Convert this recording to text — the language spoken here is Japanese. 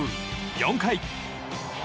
４回。